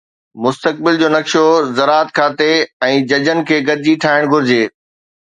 مستقبل جو نقشو زراعت کاتي ۽ ججن کي گڏجي ٺاهڻ گهرجي